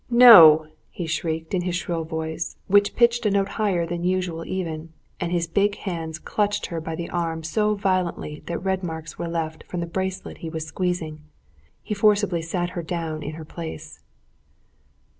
"No!" he shrieked, in his shrill voice, which pitched a note higher than usual even, and his big hands clutching her by the arm so violently that red marks were left from the bracelet he was squeezing, he forcibly sat her down in her place.